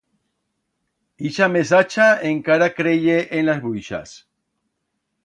Ixa mesacha encara creye en las bruixas.